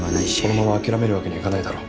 このまま諦めるわけにはいかないだろ。